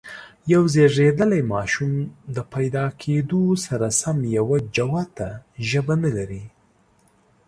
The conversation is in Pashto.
یو زېږيدلی ماشوم د پیدا کېدو سره سم یوه جوته ژبه نه لري.